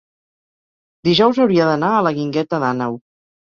dijous hauria d'anar a la Guingueta d'Àneu.